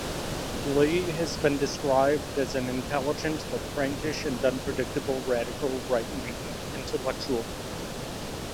Leigh has been described as an "intelligent but prankish and unpredictable radical rightwing intellectual".